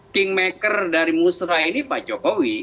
kingmaker dari musrah ini pak jokowi